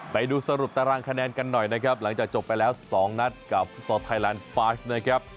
ไปดูสรุปตารางคะแนนกันหน่อยนะครับหลังจากจบไปแล้ว๒นัดกับฟุตซอลไทยแลนด์ไฟช์นะครับ